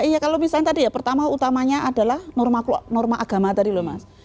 iya kalau misalnya tadi ya pertama utamanya adalah norma agama tadi loh mas